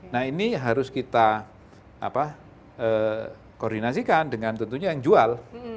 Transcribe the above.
nah ini harus kita koordinasikan dengan tentunya yang jual